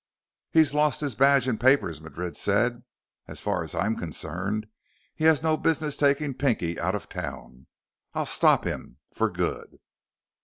"He's lost his badge and papers," Madrid said. "As far as I'm concerned, he has no business taking Pinky out of town, I'll stop him for good."